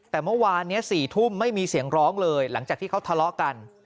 แต่เมื่อวานนี้๔ทุ่มไม่มีเสียงร้องเลยหลังจากที่เขาทะเลาะกัน